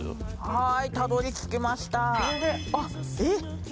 はーいたどり着きましたあえっ？